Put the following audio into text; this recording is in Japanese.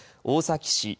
大崎市